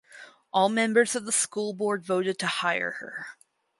All members of the school board voted to hire her.